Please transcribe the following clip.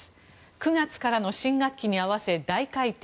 ９月からの新学期に合わせ大改訂。